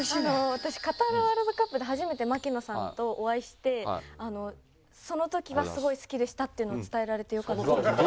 私カタール・ワールドカップで初めて槙野さんとお会いして。っていうのを伝えられてよかったです。